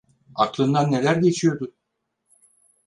Aklından neler geçiyordu?